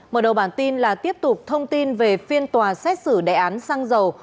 mở đầu bản tin là tiếp tục thông tin về phiên tòa xét xử đề án xăng dầu